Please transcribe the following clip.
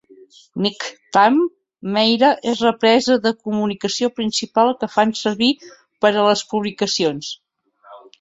Ningtam Meira és la presa de comunicació principal que fan servir per a les publicacions.